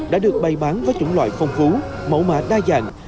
đã được bay bán với chủng loại phong phú mẫu mạ đa dạng